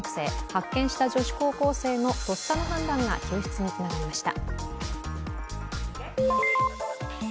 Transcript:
発見した女子高校生のとっさの判断が救出につながりました。